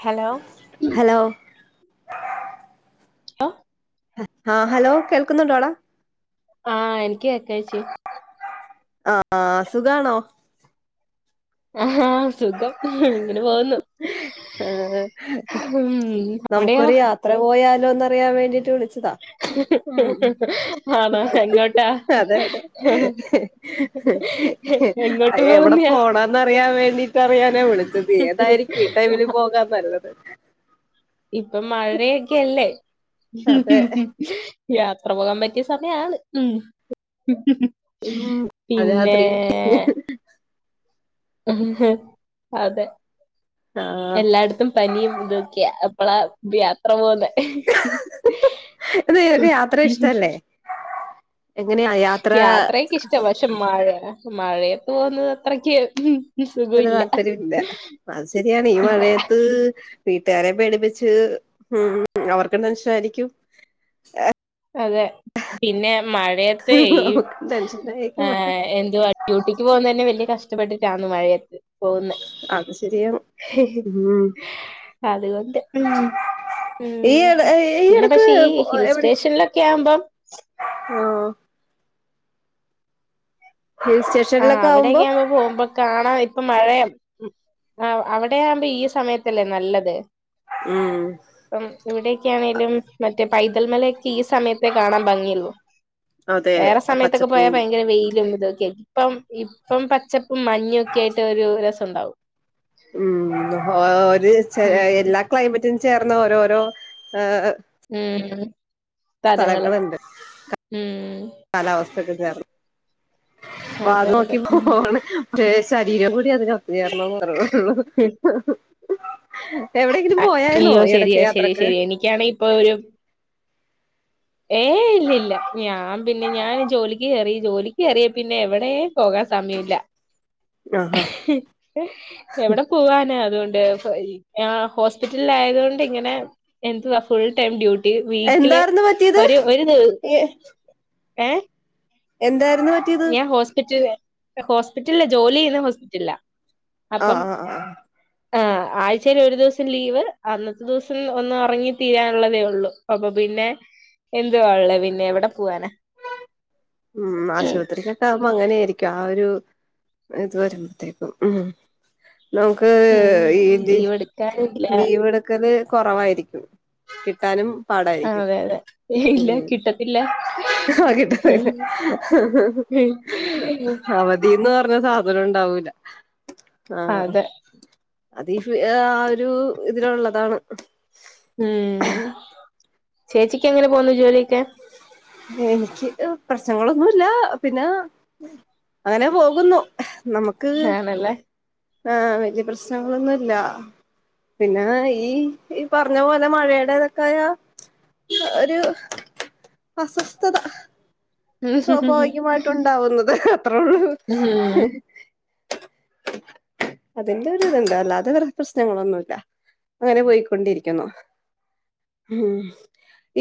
hello hello [unintelligible] ആഹ hello കേൾക്കുന്നുണ്ടോടാ ആഹ എനക്ക് എക്കച്ചി ആഹ സുഖാണോ ആ സുഖം ഇങ്ങനെ പോകുന്നു ആ ഉം അവിടെയോ നമുക്കൊരു യാത്ര പോയാലോന്ന് അറിയാൻ വേണ്ടിട്ട് വിളിച്ചു ഉ ആണോ എങ്ങോട്ടാ അതെ അതെ എങ്ങോട്ട് എവിടെ പോകുന്നയാ പോണന്ന് അറിയാൻ വേണ്ടീട്ട് അറിയാനാ വിളിച്ച അ ഏതായിരിക്കും ഈ ടൈമില് പോകാ വരത് ഇപ്പൊ മഴയൊക്കെല്ലേ അതെ യാത്ര പോകാൻ പറ്റിയ സമയാണ് ഉ ഉ അത് രാത്രി ഉ അതെ ആ എല്ലായിടത്തും പനിയും ഇതൊക്കെയ അപ്പള യാത്ര പോുന്ന ഇത്നിക്ക് യാത്ര ഇഷ്ടല്ലേ എങ്ങനെയാ യാത്ര യാത്രയൊക്ക ഇഷ്ട പക്ഷെ മഴ മഴയത്ത് പോകുന്നത് അത്രക്ക് ഒരു സുഖമില്ല താല്പര്യം ഇില്ല അത് ശരിയാണ് ഈ ഇല്ല മഴയത്ത് വീട്ടുകാരെ പേടിപ്പ അവർക്ക് എന്ത മനഷായിരിക്കും അതെ പിന്നെ മഴയത്തെ ഈ നമുക്കും ആ ടെൻഷനായിരിക്കും പക്ഷെ എന്തുവാ ഡ്യൂട്ടിക്ക് പോകൻ തന്നെ വലിയ കഷ ഇഷ്ടപ്പെട്ടിട്ടാണ് മഴയത്ത് പോുന്ന അത് ശരിയാണ് ഉം അതുകൊണ്ട് ഈ ഉം എട ഈ പിന്നെ എടക്ക് പക്ഷെ ഈ ഹിൽ എവിടെ സ്റ്റേഷനിലൊക്കെ ആകുമ്പോം [unintelligible] ആ ഹിൽ ആഹ് സ്റ്റേഷനിലൊക്കെ ആവുമ്പോ അവിടെയക്കെകുമ്പ പോുമ്പോ കാണാൻ പറ്റ ഇപ്പൊ മഴ ആ അവിടെയാവുമ്പോ ഈ സമയത്തല്ലേ നല്ലത് ഉം അപ്പം ഇവിടെൊക്കെയ ആണെേലും മറ്റേ പൈതൽ മലൊക്കെ ഈ സമയത്തെ കാണാൻ ഭംഗിയള്ളൂ അതെ വേറെ സമയത്തൊക്കെ പച്ചപ്പ് പോയാ ഭയങ്കര വെയിലും ഇതൊക്കെയ ആി ഇപ്പം ഇപ്പം പച്ചപ്പും മഞ്ഞും ഒക്കെ ആയിട്ട് ഒരു രസുണ്ടാവും ഉം ഉം എല്ലാ ക്ലൈമറ്റും ചേർന്ന് ഓരോരോ ഉം സ്ഥലങ്ങള് സ്ഥലങ്ങളുണ്ട് ഉം കാലാവസ്ഥക്കെ ചേർന്ന് ാത് അതെ അതെ നോക്കി ഉം പോണ േ ശരീരം കൂടി അത് കത്ത്ുചേരണംന്ന് പറുള്ളൂ അയ്യോ ഈ ശരിയ എടക്ക് ശരി യാത്രക്ക് ശെരി എനിക്കാാണ് ഇപ്പൊ ഒരു ഏ ഇല്ലല്ല ഞാൻ പിന്നെ ഞാൻ ജോലിക്ക് കേയറി ജോലിക്ക് കയറിയാ പിന്നെ എവിടെ പോകാ സമയല്ല ആഹാ എവിടെ പോവാനാ അതുകൊണ്ട് ഹോസ്പിറ്റലിൽയതൊണ്ട് ഇങ്ങനെ എവാ ഫുൾ ടൈം ഡ്യട്ടി വീക്കില് എന്തായിരുന്നു പറ്റിയത് ഒരു വര ഏ എന്താ ഞാൻ ഹോസ്പിറ്റൽ ഹോസ്പിറ്റലില്ല ജോലി ചെയ്യുന്ന ഹോസ്പിറ്റലില്ല ആഹ ആഹ ആഹ ആഴ്ചൽ ഒരു ദിവസം ലീവ് അന്നത്തെ ദിവസം ഒന്ന് ഇറങ്ങി തീരാനുള്ളതേ ഉള്ളൂ അപ്പൊ പിന്നെ എന്തുവാ ഉള്ള പിന്നെ എവിടെ പോവാനാ ഉം ആശുപത്രിക്ക്ക്ക അ അങ്ങനൊയിരിക്കും ആ ഒരു ഇത് വരുമ്പോത്തേക്കും ഉ നമുക്ക് ഉം ലീവ് എടുക്കാനില്ല ലീവ് എടുക്കല് കുറവായിരിക്കും കിട്ടാനും പാടായിരിക്കും അതെ അതെ ഇല്ല ഉം കിട്ടത്തില്ല ആ വിയ ന്ന് പറഞ്ഞ സാധനം ഉണ്ടാവൂില്ല ആഹ അതെ അത്ീ ആ ഒരു ഇതിലള്ളതാണ് ഉം ചേച്ചിക്ക് എങ്ങനെ പോന്നു ജോലിയൊക്കെ എനിക്ക് പ്രശ്നങ്ങളൊന്നുമല്ല പിന്നെ ഉം അങ്ങനെ പോകുന്നു നമുക്ക് ആണല്ലേ ആഹ വലയ പ്രശ്നങ്ങളൊന്നുംല്ല പിന്നെ ഈ ഈ പറഞ്ഞ പോലെ മഴയുടെ ഇതൊക്കെ ഒരു അസ്വസ്ഥത സ്വാഭാവികമായിട്ടുണ്ടാവുന്നത് അത്രോള്ളൂ ഉം [unintelligible] [unintelligible] അതിന്റെ ഒരു ഇതുണ്ട് അല്ലാതെ വെറെ പ്രശ്നങ്ങളൊന്നുമല്ല അങ്ങനെ പോയിക്കൊണ്ടിരിക്കുന്നു ഉം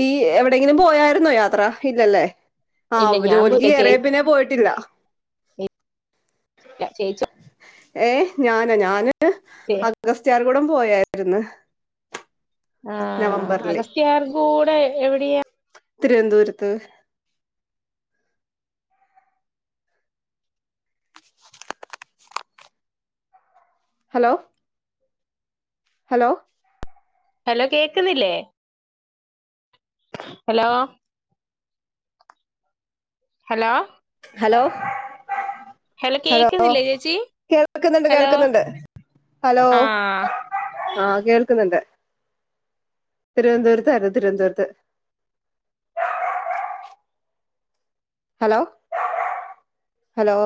ഈ എവിടെെങ്കിലും പോയായിരുന്നോ യാത്ര ഇല്ലല്ലേ ഇല്ല ആഹ് ഞാൻ ജോലിക്ക് പോയില്ല ചേ കേയറിയ പിന്നെ പോയിട്ടില്ല ഇല്ല ചേച്ചി ഏ ഞാനാ ഞാന് ചേച്ചി അഗസ്ത്യാർ കുടം പോയായിരുന്ന് ആ അഗസ്ത്യാർ കൂടെ എവിടെയാ തിരുവനന്തപുരത്ത് ഹലോ ഹലോ ഹലോ കേക്കുന്നില്ലേ ഹലോ ഹലോ ഹലോ ഹലോ കേക്കുന്നില്ലേ ചേച്ചി കേൾക്കുന്നുണ്ട് ഹലോ കേൾക്കുന്നുണ്ട് ഹലോ ആഹ് ആഹ കേൾക്കുന്നുണ്ട് തിരുവനന്തപുരത്ത ആല്ലോ തിരുവനന്തപുരത്ത് [unintelligible] ഹലോ ഹലോ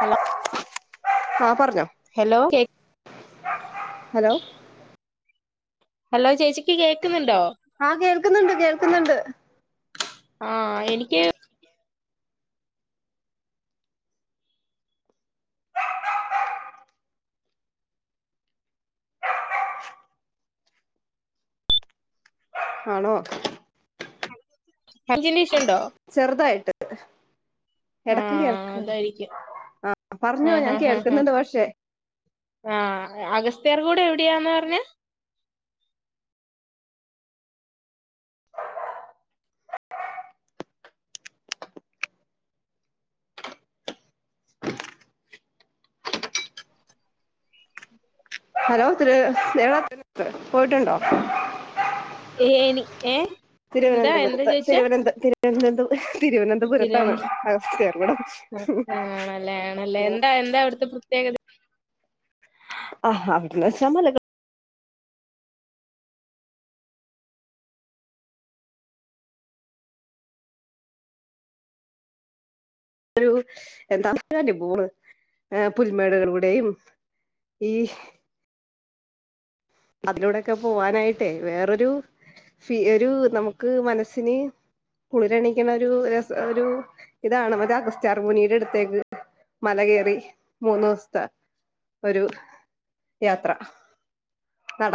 ഹലോ ആഹ് പറഞ്ഞോ ഹലോ കേ- ഹലോ ഹലോ ചേച്ചിക്ക് കേക്കുന്നുണ്ടോ കേക്കുന്നുണ്ട് കേൾക്കുന്നുണ്ട് ആഹ് എനിക്ക് ആണോ [unintelligible] [unintelligible] ചെറുതായിട്ട് ഇടക്ക് കേൾക്ക ആഹ് അതായിരിക്കും ആ പറഞ്ഞോ ഞാൻ കേൾക്കുന്നുണ്ട് പക്ഷേ ആഹ അഗസ്ത്യാർ കൂടെ എവിടെയാാന്ന് പറഞ്ഞേ ഹലോത്ര എത്ര [unintelligible] പോയിട്ടുണ്ടോ ഏനി ഏഹ് എന്താ എന്താ തിരുവനന്തപുരത്ത് ചോയിച്ചേ തിരുവന്ത തിരു- [unintelligible] തിരുവനന്തപുരത്താണ് തിരുവനന്തപുരം അഗസ്ത്യാർ കുടം പ്രത്യകത ആഹാ അവിടെന്ന് വെച്ച മലകള് ഒരു എന്താെ [unintelligible] പോണ് പുൽമേടകളൂടെയും ഈ അതിലൂടെൊക്കെ പോവാനായിട്ടേ വേറൊരു ഫീ ഒരു നമുക്ക് മനസ്സിന് കുളിര എണിക്കണ ഒരു രസ ഒരു ഇതാണ് മറ്റേ അഗസ്ത്യാർമുനിയുടെ അടുത്തേക്ക് മലകയറി മൂന്ന് ദിവസത്തെ ഒരു യാത്ര നട